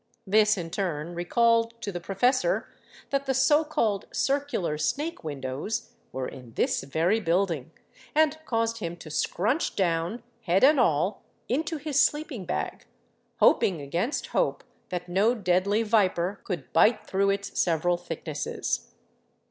This in turn recalled to the professor that the so called circular snake windows " were in this very building, and caused him to scrunch down, head and all, into his sleeping bag, hoping against hope that no deadly viper could bite through its several thicknesses.